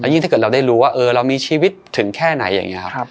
ยิ่งถ้าเรารู้ว่าเรามีชีวิตถึงแค่ไหน